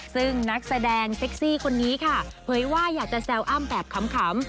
ซึ่งนักแสดงเซ็กซี่คนนี้ค่ะเผยว่าอยากจะแซวอ้ำแบบขำ